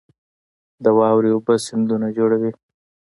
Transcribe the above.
د واورې اوبه سیندونه جوړوي